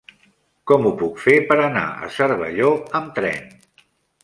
Com ho puc fer per anar a Cervelló amb tren?